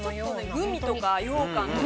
グミとか、ようかんとか。